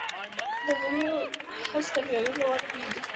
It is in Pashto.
د بویولو حس کیمیاوي مواد پېژني.